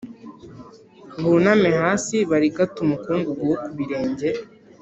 buname hasi barigate umukungugu wo ku birenge